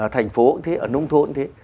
thành phố cũng thế ở nông thôn cũng thế